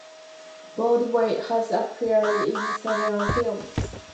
Goldthwait has appeared in several films.